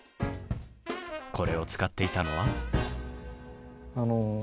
これを使っていたのは。